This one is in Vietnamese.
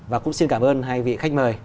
và cũng xin cảm ơn hai vị khách mời